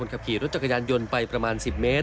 มีรอบสูรภาพ